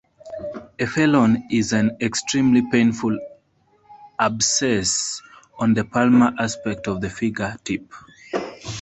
A felon is an "extremely painful abscess on the palmar aspect of the fingertip".